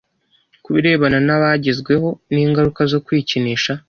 Ku birebana n’abagezweho n’ingaruka zo kwikinisha,